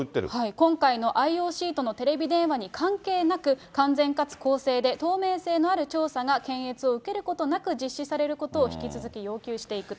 今回のＩＯＣとのテレビ電話に関係なく、完全かつ公正で、透明性のある調査が検閲を受けることなく、実施されることを引き続き要求していくと。